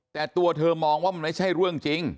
แต่ตัวเธอมองว่ามันไม่ใช่เรื่องจริง